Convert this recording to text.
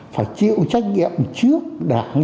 phải chịu trách nhiệm trước đảng